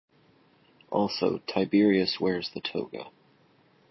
Also, Tiberius wears the "toga".